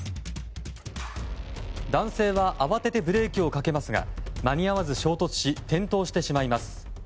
男性は慌ててブレーキをかけますが間に合わず衝突し転倒してしまいます。